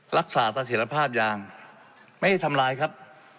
รักษาเสถียรภาพยางไม่ได้ทำลายครับ